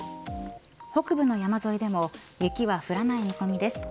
北部の山沿いでも雪は降らない見込みです。